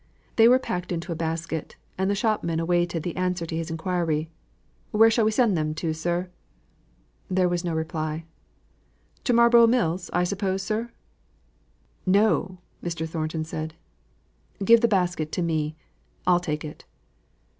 They were packed into a basket, and the shopman awaited the answer to his inquiry, "Where shall we send them to, sir?" There was no reply. "To Marlborough Mills, I suppose, sir?" "No!" Mr. Thornton said. "Give the basket to me, I'll take it."